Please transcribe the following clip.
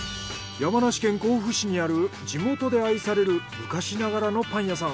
山梨県甲府市にある地元で愛される昔ながらのパン屋さん